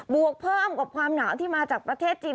วกเพิ่มกับความหนาวที่มาจากประเทศจีน